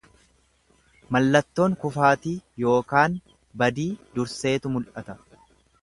Mallattoon kufaatii ykn badii durseetu mul'ata.